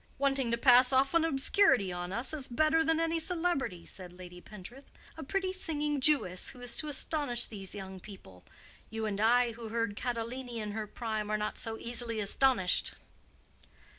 "Wanting to pass off an obscurity on us as better than any celebrity," said Lady Pentreath—"a pretty singing Jewess who is to astonish these young people. You and I, who heard Catalani in her prime, are not so easily astonished."